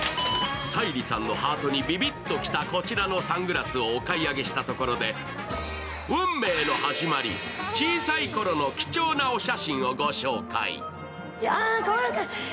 沙莉さんのハートにビビッときたこちらのサングラスをお買い物したところで運命の始まり、小さいころの貴重なお写真をご紹介。